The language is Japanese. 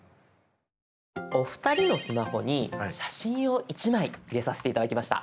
お二人のスマホに写真を１枚入れさせて頂きました。